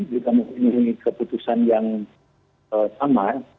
jika mempunyai keputusan yang sama